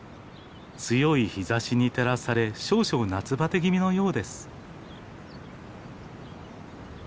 強い日ざしに照らされ少々夏バテ気味のようです。